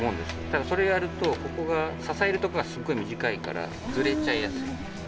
ただそれをやるとここが支えるとこがすごい短いからずれちゃいやすい。